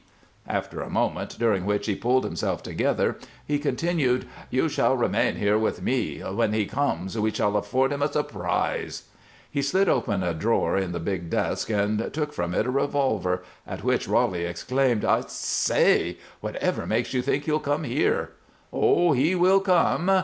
After a moment, during which he pulled himself together, he continued: "You shall remain here with me. When he comes we shall afford him a surprise." He slid open a drawer in the big desk and took from it a revolver, at which Roly exclaimed: "I say whatever makes you think he'll come here?" "Oh, he will come!